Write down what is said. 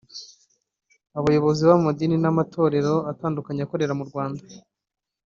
Abayobozi b’amadini n’amatorero atandukanye akorera mu Rwanda